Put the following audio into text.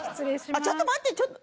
あっちょっと待ってちょっと。